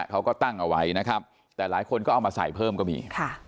เขาก็ตั้งเอาไว้นะครับแต่หลายคนก็เอามาใส่เพิ่มก็มี